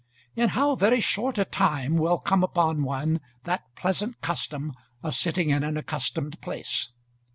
In how very short a time will come upon one that pleasant custom of sitting in an accustomed place!